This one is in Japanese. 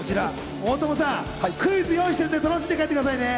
大友さん、クイズを用意しているので、最後まで楽しんでいってくださいね！